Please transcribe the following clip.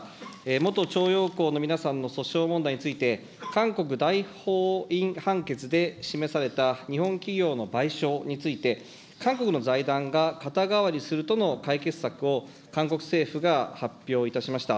元徴用工の皆さんの訴訟問題について、韓国大法院判決で示された日本企業の賠償について、韓国の財団が肩代わりするとの解決策を、韓国政府が発表いたしました。